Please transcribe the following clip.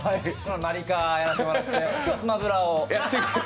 マリカーをやらせてもらって、今日は「スマブラ」を。